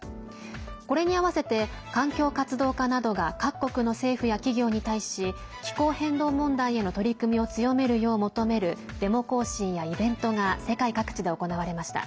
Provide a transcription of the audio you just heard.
これに合わせて環境活動家などが各国の政府や企業に対し気候変動問題への取り組みを強めるよう求めるデモ行進やイベントが世界各地で行われました。